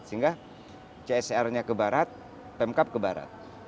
sehingga csr nya ke barat pemkap ke barat